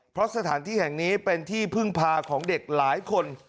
เพราะสถานที่แห่งนี้เป็นที่พึ่งพาของเด็กหลายคน